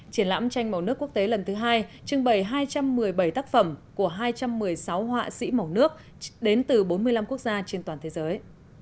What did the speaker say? triển lãm tranh màu nước quốc tế lần thứ hai trưng bày hai trăm một mươi bảy tác phẩm của hai trăm một mươi sáu họa sĩ màu nước đến từ bốn mươi năm quốc gia trên toàn thế giới